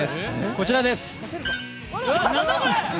こちらです。